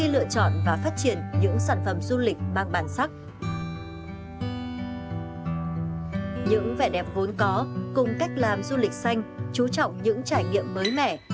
lựa chọn và phát triển những sản phẩm du lịch bằng bản sắc những vẻ đẹp vốn có cùng cách làm du lịch xanh chú trọng những trải nghiệm mới mẻ